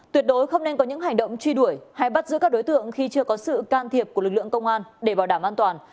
tuyệt đối không nên có những hành động truy đuổi hay bắt giữ các đối tượng khi chưa có sự can thiệp của lực lượng công an để bảo đảm an toàn